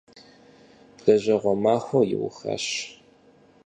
Лэжьэгъуэ махуэр иухащ.